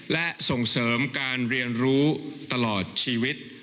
และส่งเสริมการเรียนรู้ตลอดชีวิต